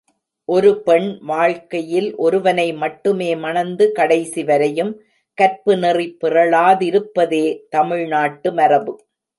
ஒரு பெண் வாழ்க்கையில் ஒருவனை மட்டுமே மணந்து கடைசி வரையும் கற்பு நெறி பிறழாதிருப்பதே தமிழ் நாட்டு மரபு.